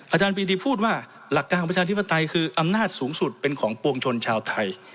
อาจารย์ปีดีพูดว่าหลักการของประชาธิปไตยคืออำนาจสูงสุดเป็นของปวงชนชาวไทย